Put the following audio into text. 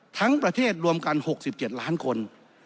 ทั้งประเทศรวมกัน๖๗ล้านคน